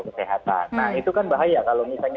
kesehatan nah itu kan bahaya kalau misalnya